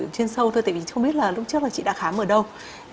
trên sâu thôi tại vì không biết là lúc trước là chị đã khám ở đâu